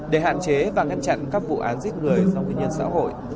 để hạn chế và ngăn chặn các vụ án giết người do nguyên nhân xã hội